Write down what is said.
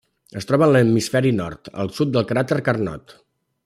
Es troba en l'hemisferi nord, al sud del cràter Carnot.